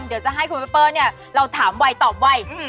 เดี๋ยวจะให้คุณแม่เปิ้ลเนี่ยเราถามไวตอบไว